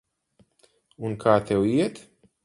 Un kā tev iet?